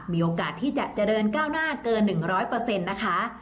มีโอกาสที่จะเจริญก้าวหน้าเกิน๑๐๐นะคะ